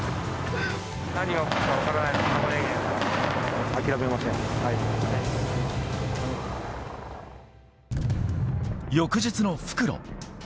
何が起こるか分からないのが翌日の復路。